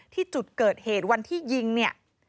ที่จุดเกิดเหตุวันที่ยิงเนี่ย